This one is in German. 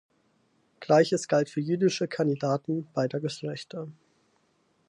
Gleiches galt für jüdische Kandidaten beider Geschlechter.